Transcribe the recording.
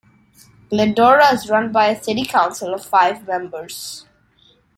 Glendora is run by a City Council of five members.